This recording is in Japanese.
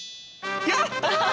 やった！